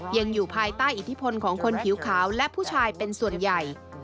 ยังอยู่ภายใต้อิทธิพลของคนผิวขาวและผู้ชายเป็นส่วนใหญ่